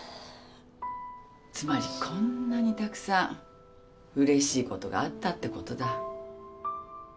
つまりこんなにたくさんうれしいことがあったってことだ。